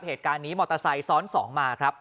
เหตุการณ์นี้มอเตอร์ไซค์ซ้อน๒มาครับ